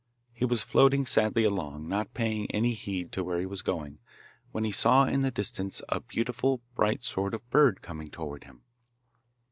He was floating sadly along, not paying any heed to where he was going, when he saw in the distance a beautiful, bright sort of bird coming towards him.